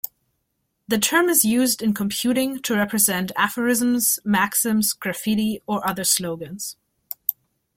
The term is used in computing to represent aphorisms, maxims, graffiti or other slogans.